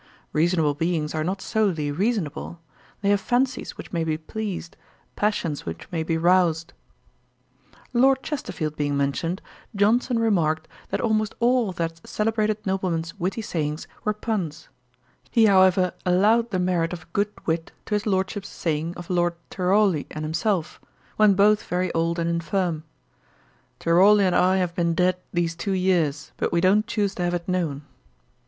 Reasonable beings are not solely reasonable. They have fancies which may be pleased, passions which may be roused. Lord Chesterfield being mentioned, Johnson remarked, that almost all of that celebrated nobleman's witty sayings were puns. He, however, allowed the merit of good wit to his Lordship's saying of Lord Tyrawley and himself, when both very old and infirm: 'Tyrawley and I have been dead these two years; but we don't choose to have it known.'